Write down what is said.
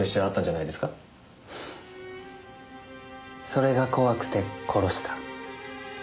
それが怖くて殺した。